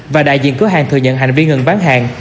và đại diện cửa hàng thừa nhận hành vi ngừng bán hàng